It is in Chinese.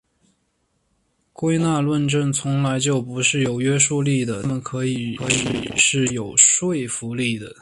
归纳论证从来就不是有约束力的但它们可以是有说服力的。